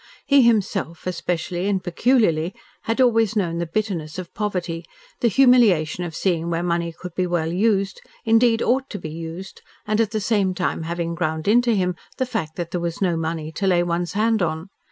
He himself, especially and peculiarly, had always known the bitterness of poverty, the humiliation of seeing where money could be well used, indeed, ought to be used, and at the same time having ground into him the fact that there was no money to lay one's hand on.